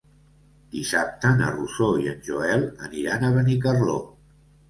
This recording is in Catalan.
Dissabte na Rosó i en Joel aniran a Benicarló.